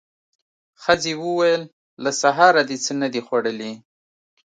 ښځې وويل: له سهاره دې څه نه دي خوړلي.